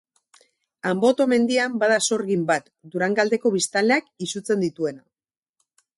Anboto mendian bada sorgin bat, Durangaldeko biztanleak izutzen dituena.